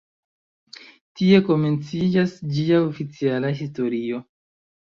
Tie komenciĝas ĝia oficiala historio.